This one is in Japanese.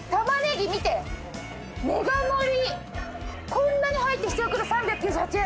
こんなに入って１袋３９８円。